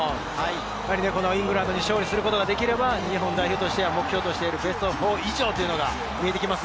イングランドに勝利することができれば、目標としているベスト４以上が見えてきます。